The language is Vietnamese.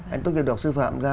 anh tốt kìa đọc sư phạm ra